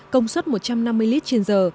công suất một trăm năm mươi lít trên giờ